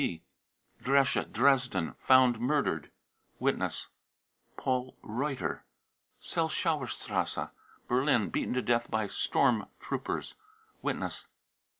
{WTB.) dresche, Dresden, found murdered. (Witness.) 1 " paul reuter, Selchowerstrasse, Berlin, beaten to death by storm troopers. (Witness.)